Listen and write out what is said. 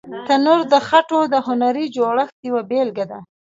تنور د خټو د هنري جوړښت یوه بېلګه ده